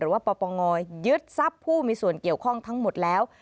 ว่าปปงยึดทรัพย์ผู้มีส่วนเกี่ยวข้องทั้งหมดแล้ว